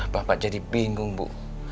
bapak jadi bingung bu